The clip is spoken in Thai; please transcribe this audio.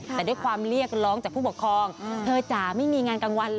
แต่ด้วยความเรียกร้องจากผู้ปกครองเธอจ๋าไม่มีงานกลางวันเลย